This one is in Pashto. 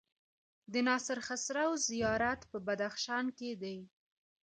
د ناصر خسرو زيارت په بدخشان کی دی